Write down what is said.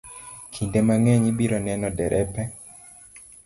Kinde mang'eny, ibiro neno derepe